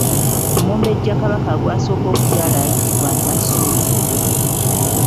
Omumbejja Kabaka gw’asooka okuzaala ayitibwa Nnassolo.